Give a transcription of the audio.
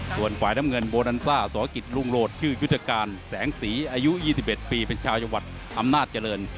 ส่วนฝ่ายน้ำเงินโบนันซ่าสกิจรุ่งโลศชื่อยุทธการแสงสีอายุ๒๑ปีเป็นชาวจังหวัดอำนาจเจริญ